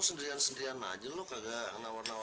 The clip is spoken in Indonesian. tidak bisa nganggur kalau lo berlaku